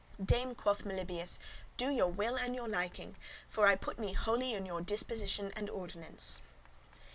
'"Dame," quoth Melibœus, '"do your will and your liking, for I put me wholly in your disposition and ordinance."